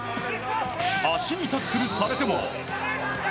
足にタックルされても。